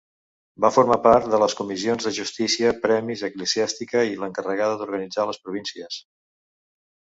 Va formar part de les comissions de justícia, premis, eclesiàstica i l'encarregada d'organitzar les províncies.